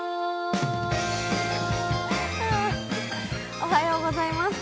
おはようございます。